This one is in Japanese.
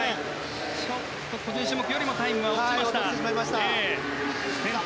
ちょっと個人種目よりもタイムが落ちました。